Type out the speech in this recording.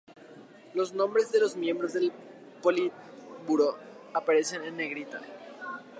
Los nombres de los miembros del Politburó aparecen en negrita.